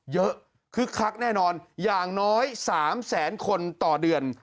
คึกคักแน่นอนอย่างน้อย๓แสนคนต่อเดือน